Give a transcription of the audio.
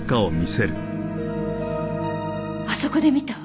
あそこで見たわ。